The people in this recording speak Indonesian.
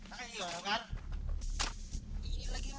jangan rag considerable